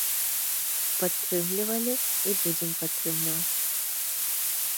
Падтрымлівалі і будзем падтрымліваць!